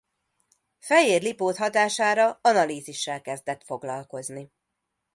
Fejér Lipót hatására analízissel kezdett foglalkozni.